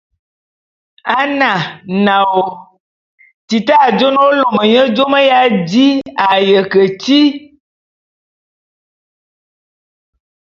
A na, naôô ! Tita a jô na ô lôme nye jôme ya di a ye keti.